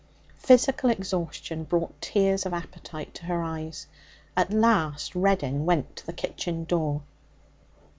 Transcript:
Physical exhaustion brought tears of appetite to her eyes. At last Reddin went to the kitchen door.